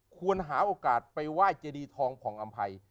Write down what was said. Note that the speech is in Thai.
ควรหาโอกาสไปไหว้เจดีทองผ่องอำภัย